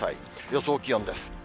予想気温です。